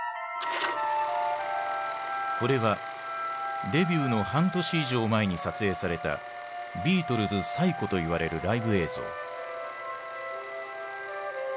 これはデビューの半年以上前に撮影されたビートルズ最古といわれるライブ映像。